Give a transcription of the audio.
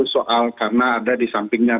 soal karena ada di sampingnya